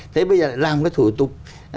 thế bây giờ làm cái thủ tục